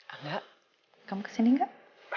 angga kamu kesini gak